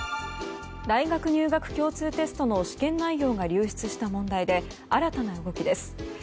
大学入学共通テストの試験内容が流出した問題で新たな動きです。